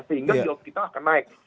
sehingga job kita akan naik